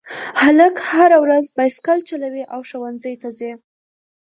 هلک هره ورځ بایسکل چلوي او ښوونځي ته ځي